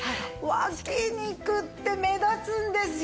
脇肉って目立つんですよ。